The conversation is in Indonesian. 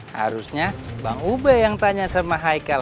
harusnya bang ube yang tanya sama haikal